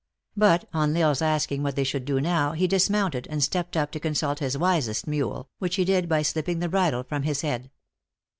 But, on L Isle s asking what they should do now, he dismounted, and stepped up to consult his wisest mule, which he did by slip ping the bridle from his head.